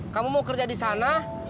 kamu mau kerja di sana